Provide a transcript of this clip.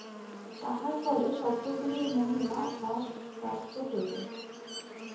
তাহার ফলে শব্দগুলির মহিমা হ্রাসপ্রাপ্ত হইল।